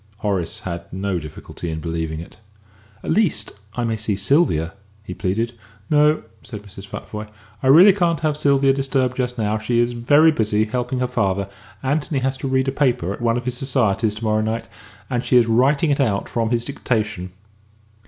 Horace had no difficulty in believing it. "At least, I may see Sylvia?" he pleaded. "No," said Mrs. Futvoye; "I really can't have Sylvia disturbed just now. She is very busy, helping her father. Anthony has to read a paper at one of his societies to morrow night, and she is writing it out from his dictation."